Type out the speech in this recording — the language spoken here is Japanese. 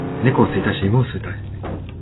猫を吸いたいし犬も吸いたい